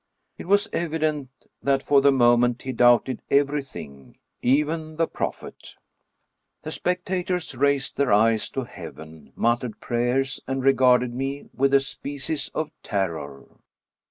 It was evident that for the moment he doubted everything, even the Prophet. The spectators raised their eyes to heaven, muttered prayers, and regarded me with a species of terror.